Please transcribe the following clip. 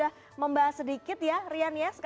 ada bmo permadi yang kita tulis sedikit